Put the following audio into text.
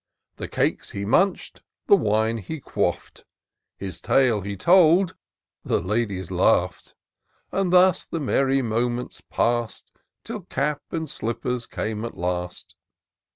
The cakes he munch*d — ^the wine he quaff 'd, His tale he told — ^the Ladies laugh'd ; And thus the merry moments pass'd. Till cap and slippers came at last.